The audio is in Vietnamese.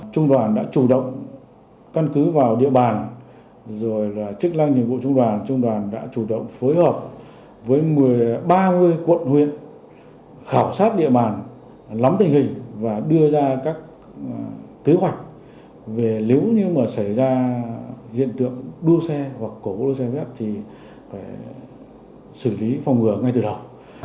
trung đoàn đã chủ động căn cứ vào địa bàn rồi là chức lăng nhiệm vụ trung đoàn trung đoàn đã chủ động phối hợp với ba mươi quận huyện khảo sát địa bàn lóng tình hình và đưa ra các kế hoạch về nếu như mà xảy ra hiện tượng đua xe hoặc cổ đua xe phép thì phải xử lý phòng ngừa ngay từ đầu